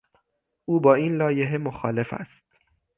او با این لایحه مخالف است.